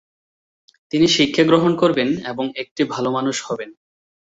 তিনি শিক্ষা গ্রহণ করবেন এবং "একটি ভাল মানুষ" হবেন।